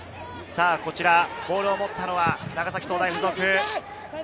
ボールを持ったのは長崎総大附属。